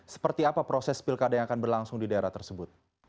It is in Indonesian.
seperti apa proses pilkada yang akan berlangsung di daerah tersebut